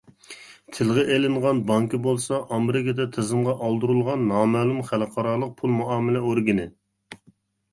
تىلغا ئېلىنغان بانكا بولسا ئامېرىكىدا تىزىمغا ئالدۇرۇلغان نامەلۇم خەلقئارالىق پۇل- مۇئامىلە ئورگىنى.